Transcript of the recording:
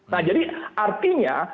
nah jadi artinya